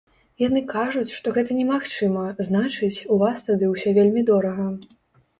Яны кажуць, што гэта немагчыма, значыць, у вас тады ўсё вельмі дорага.